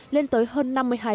lên tới hơn năm mươi hai